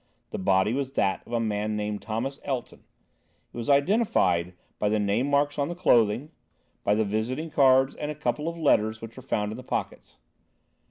The body was that of a man named Thomas Elton. It was identified by the name marks on the clothing, by the visiting cards and a couple of letters which were found in the pockets.